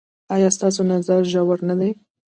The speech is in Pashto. ایا ستاسو نظر ژور نه دی؟